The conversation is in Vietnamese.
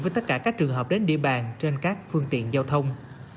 với tất cả các trường hợp đến địa bàn trên các phương tiện giao thông